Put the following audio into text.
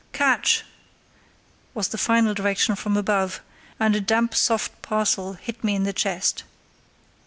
"Catch!" was the final direction from above, and a damp soft parcel hit me in the chest.